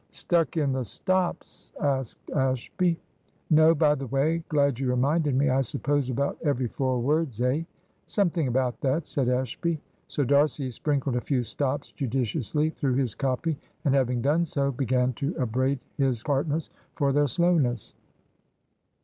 "Stuck in the stops?" asked Ashby. "No; by the way glad you reminded me I suppose about every four words, eh?" "Something about that," said Ashby. So D'Arcy sprinkled a few stops judiciously through his copy, and having done so began to upbraid his partners for their slowness.